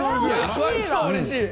めちゃくちゃうれしい！